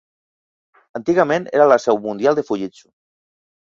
Antigament era la seu mundial de Fujitsu.